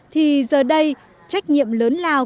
thì giờ đây trách nhiệm lớn lao